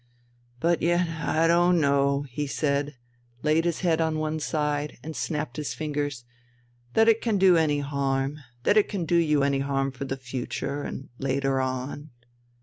But yet I don't know," he said, laid his head on one side and snapped his fingers, "that it can do any harm, that it can do you any harm for the future and later on...."